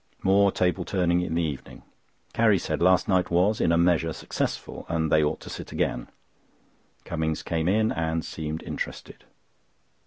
More table turning in the evening. Carrie said last night was in a measure successful, and they ought to sit again. Cummings came in, and seemed interested.